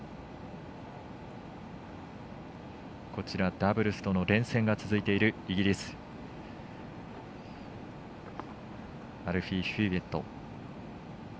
ダブルスとの連戦が続いているイギリスアルフィー・ヒューウェット。